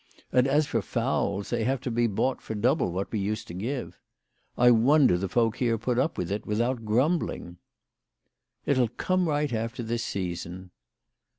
And as for fowls, they have to be bought for double what we used to give. I wonder the folk here put up with it without grumbling." " It'll come right after this season."